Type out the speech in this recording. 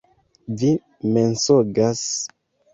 Vi mensogas!